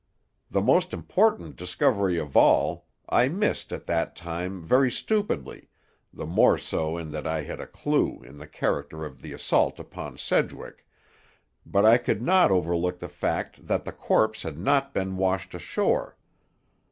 The most important discovery of all, I missed at that time very stupidly—the more so in that I had a clue, in the character of the assault upon Sedgwick—but I could not overlook the fact that the corpse had not been washed ashore.